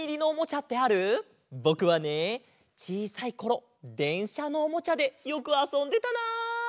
ぼくはねちいさいころでんしゃのおもちゃでよくあそんでたな！